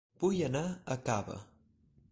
Vull anar a Cava